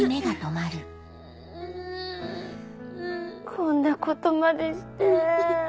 こんなことまでして。